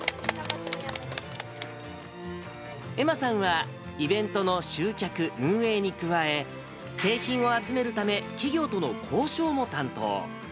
愛茉さんは、イベントの集客、運営に加え、景品を集めるため、企業との交渉も担当。